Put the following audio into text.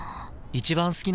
一番好き